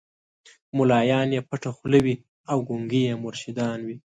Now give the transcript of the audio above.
مُلایان یې پټه خوله وي او ګونګي یې مرشدان وي